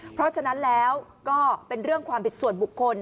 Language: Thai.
เพราะฉะนั้นแล้วก็เป็นเรื่องความผิดส่วนบุคคล